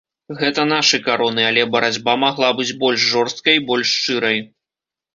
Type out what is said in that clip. Гэта нашы кароны, але барацьба магла быць больш жорсткай і больш шчырай.